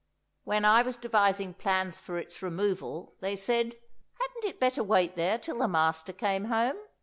When I was devising plans for its removal, they said, Hadn't it better wait there till the master came home?